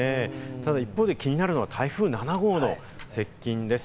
ただ一方で気になるのは台風７号の接近です。